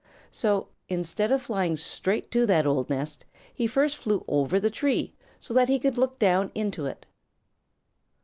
So, instead of flying straight to that old nest, he first flew over the tree so that he could look down into it.